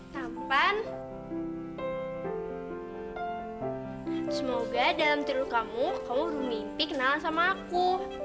sampan semoga dalam tidur kamu kamu berhubung mimpi kenalan sama aku